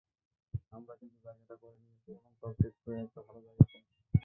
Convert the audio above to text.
আমরা কিন্তু জায়গাটা করে নিয়েছি এবং চলচ্চিত্রও একটা ভালো জায়গায় পৌঁছে।